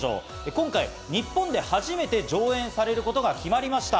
今回、日本で初めて上演されることが決まりました。